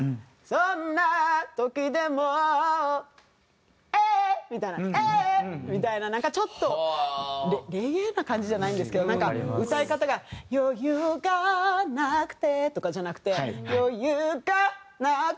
「そんな時でも」「Ｙｅａｈ」みたいな「Ｙｅａｈ」みたいななんかちょっとレゲエな感じじゃないんですけどなんか歌い方が「余裕がなくて」とかじゃなくて「余裕がなくて」みたいななんかこう。